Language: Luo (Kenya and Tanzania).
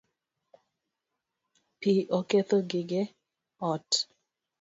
Pi oketho gige ot